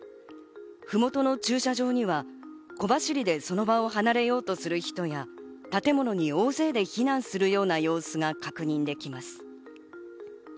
麓の駐車場には、小走りでその場を離れようとする人や、建物に大勢で避難するような様子が確認できます。